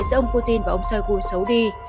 giữa ông putin và ông shoigu xấu đi